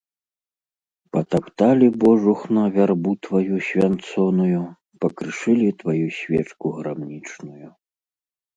Патапталі, божухна, вярбу тваю свянцоную, пакрышылі тваю свечку грамнічную.